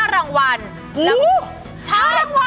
รางวัล